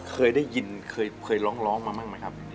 เคยได้ยินเคยร้องมาบ้างไหมครับ